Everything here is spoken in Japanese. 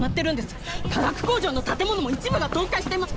化学工場の建物も一部が倒壊しています。